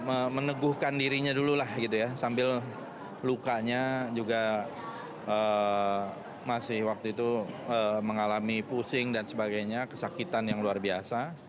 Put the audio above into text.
ya meneguhkan dirinya dulu lah gitu ya sambil lukanya juga masih waktu itu mengalami pusing dan sebagainya kesakitan yang luar biasa